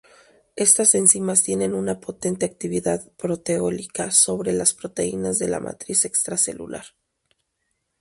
Estas enzimas tienen una potente actividad proteolítica sobre las proteínas de la matriz extracelular.